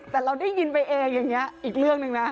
แต่เราได้ยินไปเองอย่างนี้อีกเรื่องหนึ่งนะ